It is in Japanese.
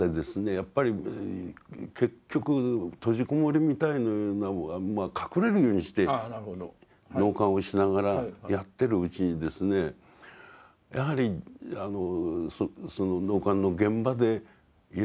やっぱり結局閉じこもりみたいな隠れるようにして納棺をしながらやってるうちにですねやはりその納棺の現場でいろんな出会いに会うわけですね。